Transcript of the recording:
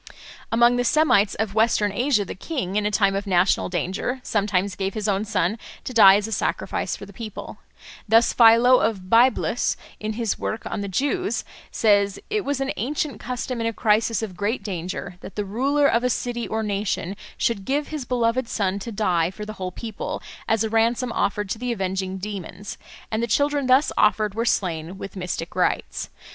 Among the Semites of Western Asia the king, in a time of national danger, sometimes gave his own son to die as a sacrifice for the people. Thus Philo of Byblus, in his work on the Jews, says: "It was an ancient custom in a crisis of great danger that the ruler of a city or nation should give his beloved son to die for the whole people, as a ransom offered to the avenging demons; and the children thus offered were slain with mystic rites.